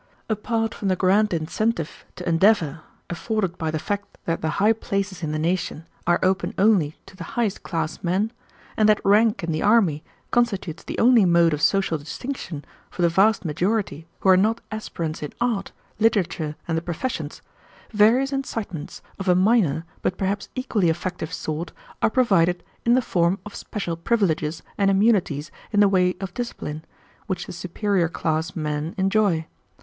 "Apart from the grand incentive to endeavor afforded by the fact that the high places in the nation are open only to the highest class men, and that rank in the army constitutes the only mode of social distinction for the vast majority who are not aspirants in art, literature, and the professions, various incitements of a minor, but perhaps equally effective, sort are provided in the form of special privileges and immunities in the way of discipline, which the superior class men enjoy.